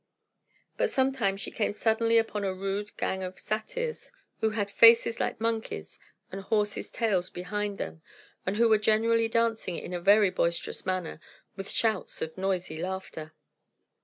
But sometimes she came suddenly upon a rude gang of satyrs, who had faces like monkeys and horses' tails behind them, and who were generally dancing in a very boisterous manner, with shouts of noisy laughter.